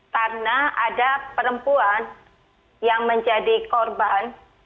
karena ada perempuan yang menjadi korban